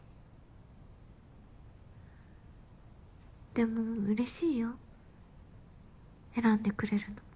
でもうれしいよ選んでくれるのも。